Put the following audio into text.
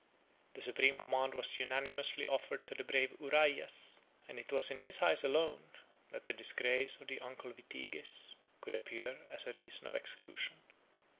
The supreme command was unanimously offered to the brave Uraias; and it was in his eyes alone that the disgrace of his uncle Vitiges could appear as a reason of exclusion.